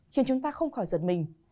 khiến chúng ta không khỏi giật mình